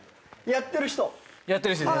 やってる人です。